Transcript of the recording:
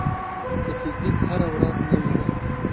د فزیک هره ورځ نوې ده.